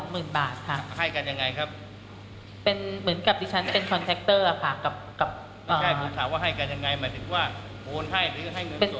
ไม่ใช่ผมถามว่าให้กันยังไงหมายถึงว่าโอนให้หรือให้เงินส่วน